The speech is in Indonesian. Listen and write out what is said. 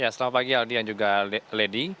selamat pagi aldi dan juga lady